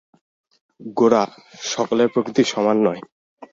গোরা, সকলের প্রকৃতি সমান নয়।